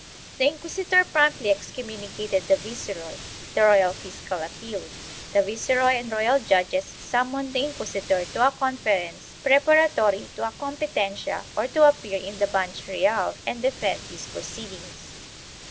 The inquis itor promptly excommunicated the viceroy; the royal fiscal appealed; the viceroy and royal judges summoned the inquisitor to a conference preparatory to a competencia or to appear in the Banch Reyal and defend his proceedings.